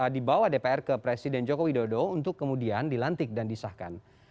dibawa dpr ke presiden joko widodo untuk kemudian dilantik dan disahkan